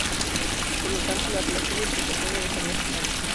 Por lo tanto la relación de implicación debe ser necesaria.